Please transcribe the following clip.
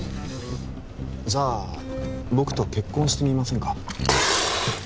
じゃあ僕と結婚してみませんか？